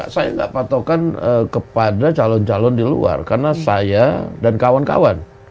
saya nggak patokan kepada calon calon di luar karena saya dan kawan kawan